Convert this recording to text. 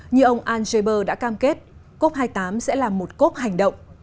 như ông al jaber đã cam kết cop hai mươi tám sẽ là một cốt hành động